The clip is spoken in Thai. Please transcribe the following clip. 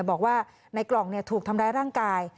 บอกว่าในกล่องถูกทำร้ายร่างกาย